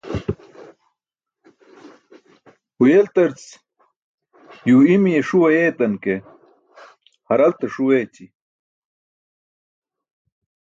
Huyeltarc yuu i̇mi̇ye ṣuu ayeetan ke, haralte ṣuu eeći̇.